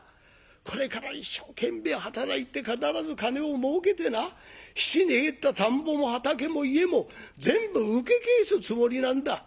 これから一生懸命働いて必ず金をもうけてな質に入った田んぼも畑も家も全部請け返すつもりなんだ。